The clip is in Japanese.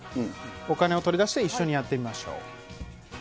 お金を取り出して一緒にやってみましょう。